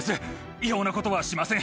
違法なことはしません。